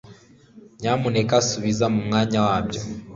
nyamuneka subiza mu mwanya wabyo